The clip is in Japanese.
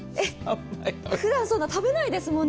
ふだんそんな食べないですもんね。